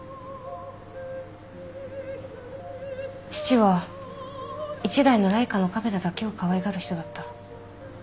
父は一台のライカのカメラだけをかわいがる人だった。